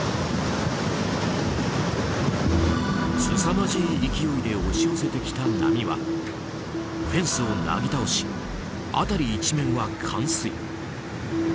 すさまじい勢いで押し寄せてきた波はフェンスをなぎ倒し辺り一面は冠水。